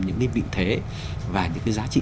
những vị thế và những giá trị